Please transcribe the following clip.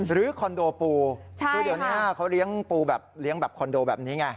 หรือคอนโดปูใช่ค่ะเขาเลี้ยงปูแบบเลี้ยงแบบคอนโดแบบนี้ไง